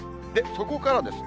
そこからです。